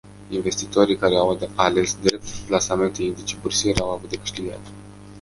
Investitorii care au ales drept plasamente indicii bursieri, au avut de câștigat.